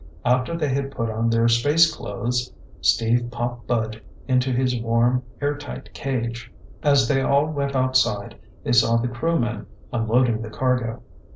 After they had put on their space clothes, Steve popped Bud into his warm, air tight cage. As they all went outside, they saw the crewmen unloading the cargo.